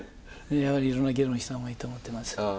やはりいろいろな議論したほうがいいと思ってます。